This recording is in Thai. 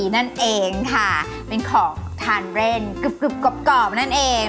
นั่นเองค่ะเป็นของทานเรนกึบกรอบนั่นเอง